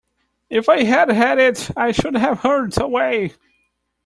If I had had it, I should have hurried away.